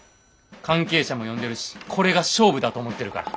関係者も呼んでるしこれが勝負だと思ってるから。